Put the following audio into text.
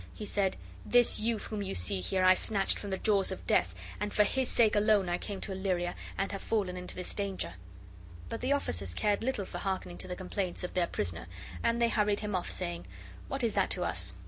He said: "This youth whom you see here I snatched from the jaws of death, and for his sake alone I came to Illyria and have fallen into this danger." But the officers cared little for harkening to the complaints of their prisoner, and they hurried him off, saying, "What is that to us?"